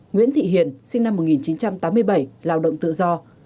nguyễn thị hiền sinh năm một nghìn chín trăm tám mươi bảy lao động tự do